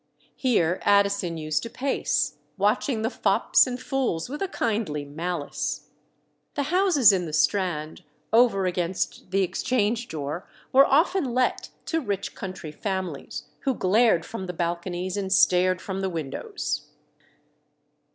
Here Addison used to pace, watching the fops and fools with a kindly malice. The houses in the Strand, over against the Exchange door, were often let to rich country families, who glared from the balconies and stared from the windows.